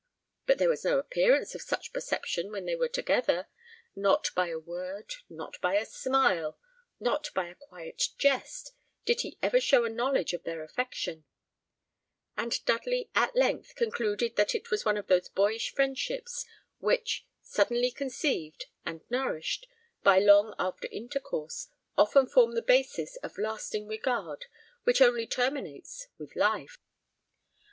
But there was no appearance of such perception when they were together: not by a word, not by a smile, not by a quiet jest, did he ever show a knowledge of their affection; and Dudley at length concluded that it was one of those boyish friendships which, suddenly conceived, and nourished, by long after intercourse, often form the basis of lasting regard which only terminates with life.